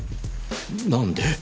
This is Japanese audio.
何で？